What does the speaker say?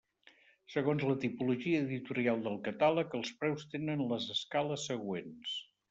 Segons la tipologia editorial del catàleg els preus tenen les escales següents.